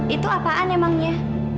itu apaan emangnya